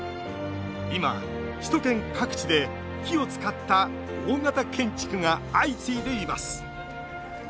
今、首都圏各地で木を使った大型建築が相次いでいます。